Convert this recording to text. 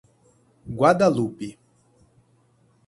Guadalupe